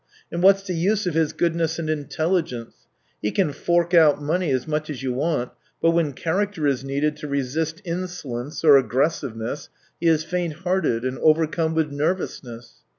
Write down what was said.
... And what's the use of his goodness and intelligence ? He can fork out money as much as you want, but when character is needed to resist insolence or aggressiveness, he is faint hearted and overcome with nervousness.